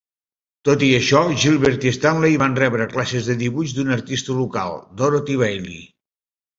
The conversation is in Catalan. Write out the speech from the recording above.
Tot i això, Gilbert i Stanley van rebre classes de dibuix d'un artista local, Dorothy Bailey.